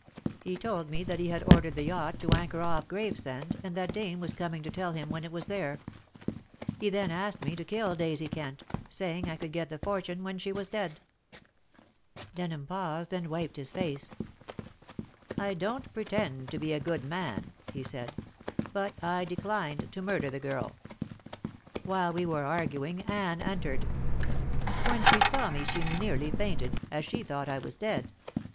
He told me that he had ordered the yacht to anchor off Gravesend and that Dane was coming to tell him when it was there. He then asked me to kill Daisy Kent, saying I could get the fortune when she was dead." Denham paused, and wiped his face. "I don't pretend to be a good man," he said, "but I declined to murder the girl. While we were arguing Anne entered. When she saw me she nearly fainted, as she thought I was dead.